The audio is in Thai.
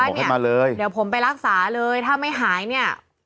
บอกว่าเนี่ยเดี๋ยวผมไปรักษาเลยถ้าไม่หายเนี่ย